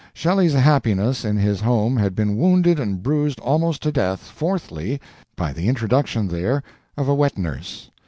Shelley's happiness in his home had been wounded and bruised almost to death, fourthly, by the introduction there of a wet nurse.